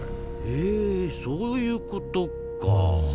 へえそういうことか。